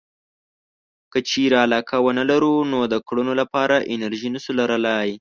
که چېرې علاقه ونه لرو نو د کړنو لپاره انرژي نشو لرلای.